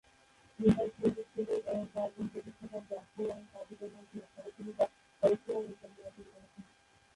চিন্তার সুন্নি স্কুলের চারজন প্রতিষ্ঠাতা জাফর আস-সাদিকের মাধ্যমে সরাসরি বা পরোক্ষভাবে জ্ঞান অর্জন করেছেন।